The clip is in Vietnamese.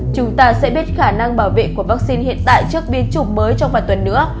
chúng ta sẽ biết khả năng bảo vệ của vaccine hiện tại trước biến chủng mới trong vài tuần nữa